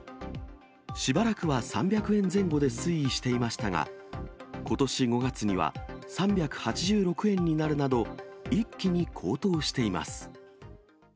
しばらくは３００円前後で推移していましたが、ことし５月には、３８６円になるなど、一気に高騰しています。